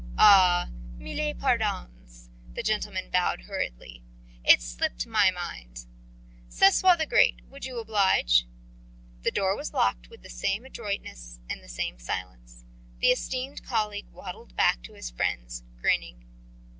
"Ah, mille pardons." The gentleman bowed hurriedly. "It slipped my mind. Sesoi the Great, would you oblige?" The door was locked with the same adroitness and the same silence. The esteemed colleague waddled back to his friends, grinning.